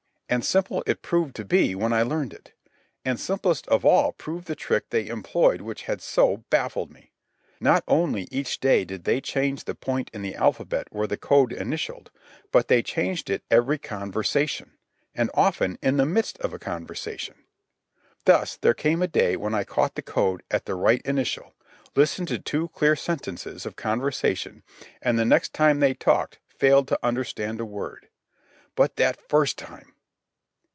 And simple it proved to be, when I learned it; and simplest of all proved the trick they employed which had so baffled me. Not only each day did they change the point in the alphabet where the code initialled, but they changed it every conversation, and, often, in the midst of a conversation. Thus, there came a day when I caught the code at the right initial, listened to two clear sentences of conversation, and, the next time they talked, failed to understand a word. But that first time!